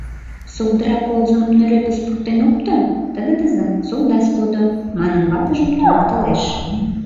— Солдыра колзым нӧрепыс пуртен опто, тыгыдызым солдас кодо, — манын, ватыжым туныктылеш.